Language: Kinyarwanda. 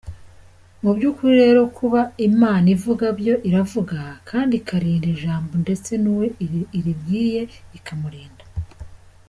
mubyukuri rero kuba imana ivuga byo iravuga kdi ikarinda ijambo ndetse nuwo iribwiye ikamurinda.